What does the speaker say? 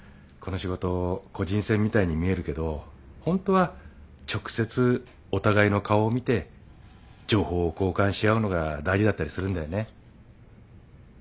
この仕事個人戦みたいに見えるけどホントは直接お互いの顔を見て情報を交換し合うのが大事だったりするんだよね。